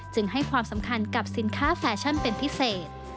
ให้ความสำคัญกับสินค้าแฟชั่นเป็นพิเศษ